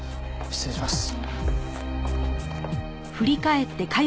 失礼します。